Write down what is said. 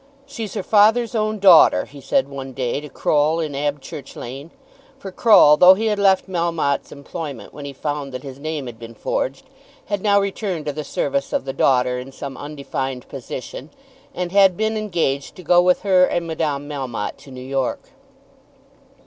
"She's her father's own daughter," he said one day to Croll in Abchurch Lane; for Croll, though he had left Melmotte's employment when he found that his name had been forged, had now returned to the service of the daughter in some undefined position, and had been engaged to go with her and Madame Melmotte to New York.